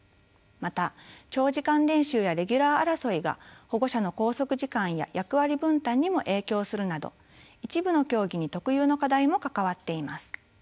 また長時間練習やレギュラー争いが保護者の拘束時間や役割分担にも影響するなど一部の競技に特有の課題も関わっています。